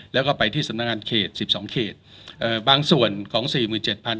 แล้วก็ไปที่สำนักงานเขต๑๒เขตบางส่วนของสี่หมื่นเจ็ดพัน